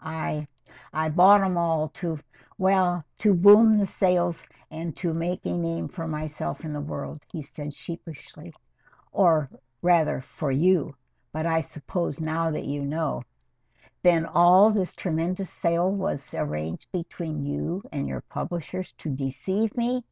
I I bought 'em all to well, to boom the sales and to make a name for myself in the world," he said sheepishly, "or rather for you but I suppose now that you know " "Then all this tremendous sale was arranged between you and your publishers to deceive me?"